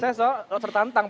saya soal lo tertantang